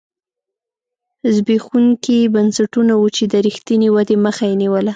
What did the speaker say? زبېښونکي بنسټونه وو چې د رښتینې ودې مخه یې نیوله.